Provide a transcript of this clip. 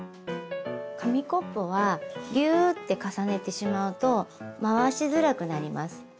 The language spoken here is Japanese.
紙コップはギューって重ねてしまうと回しづらくなります。